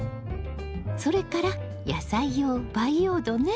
それから野菜用培養土ね。